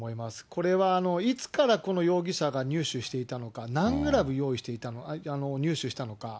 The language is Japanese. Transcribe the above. これはいつからこの容疑者が入手していたのか、何グラム入手したのか。